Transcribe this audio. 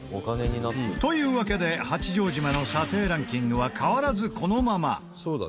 というわけで八丈島の査定ランキングは変わらずこのまま。